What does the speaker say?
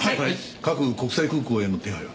各国際空港への手配は？